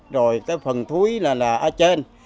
rồi cái phần thúi là ở trên